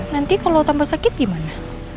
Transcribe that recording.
nanti kalau tambah sakit gimana